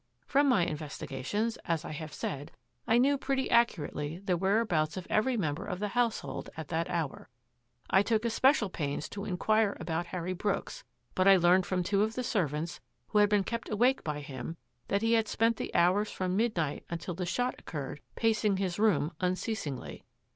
From my investigations, as I have said, I knew pretty ac curately the whereabouts of every member of the household at that hour. I took especial pains to inquire about Harry Brooks, but I learned from two of the servants who had been kept awake by him that he had spent the hours from midnight until the shot occurred pacing his room unceas ingly.